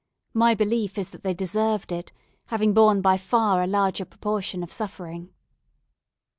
My belief is that they deserved it, having borne by far a larger proportion of suffering.